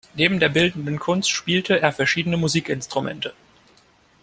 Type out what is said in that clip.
Neben der bildenden Kunst spielte er verschiedene Musikinstrumente.